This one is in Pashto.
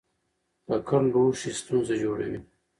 ککړ لوښي ستونزه جوړوي.